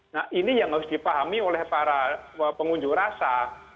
nah ini yang harus dipahami oleh para pengunjuk rasa